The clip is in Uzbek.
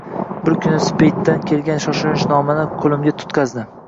Bir kuni Speytdan kelgan shoshilinchnomani qo`limga tutqazishdi